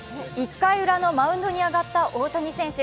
１回ウラのマウンドに上がった大谷選手。